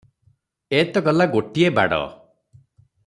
ଏ ତ ଗଲା ଗୋଟିଏ ବାଡ଼ ।